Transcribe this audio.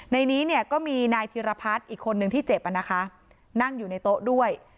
ในนี้เนี่ยก็มีนายธิรพัฒน์อีกคนนึงที่เจ็บนั่งอยู่ในโต๊ะด้วย